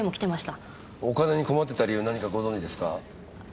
お金に困ってた理由何かご存じですか？